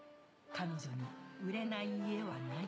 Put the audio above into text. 彼女に売れない家はない。